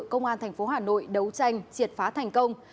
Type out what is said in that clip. công an thành phố hà nội đấu tranh triệt phá thành công